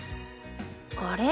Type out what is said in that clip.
あれ？